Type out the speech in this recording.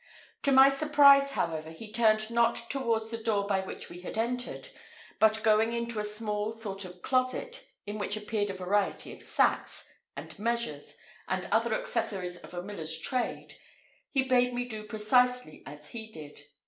To my surprise, however, he turned not towards the door by which we had entered, but going into a small sort of closet, in which appeared a variety of sacks, and measures, and other accessories of a miller's trade, he bade me do precisely as he did.